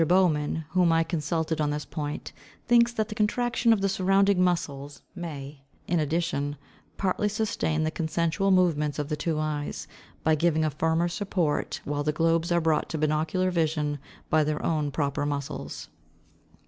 Bowman, whom I consulted on this point, thinks that the contraction of the surrounding muscles may, in addition, "partly sustain the consensual movements of the two eyes, by giving a firmer support while the globes are brought to binocular vision by their own proper muscles."